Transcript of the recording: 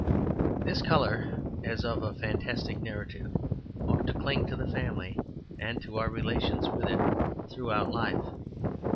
This colour as of a fantastic narrative ought to cling to the family and to our relations with it throughout life.